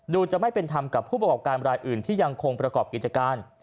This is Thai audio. จะไม่เป็นธรรมกับผู้ประกอบการรายอื่นที่ยังคงประกอบกิจการ